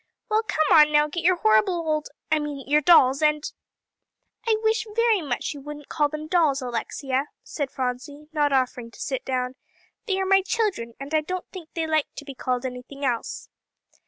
Well, come on now, get your horrible old I mean, your dolls, and " "I wish very much you wouldn't call them dolls, Alexia," said Phronsie, not offering to sit down; "they are my children, and I don't think they like to be called anything else."